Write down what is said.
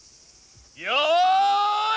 よい。